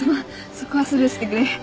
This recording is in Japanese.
そこはスルーしてくれ。